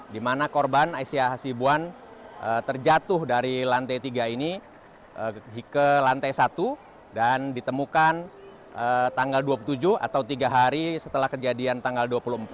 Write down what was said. di mana korban aisyah hasibuan terjatuh dari lantai tiga ini ke lantai satu dan ditemukan tanggal dua puluh tujuh atau tiga hari setelah kejadian tanggal dua puluh empat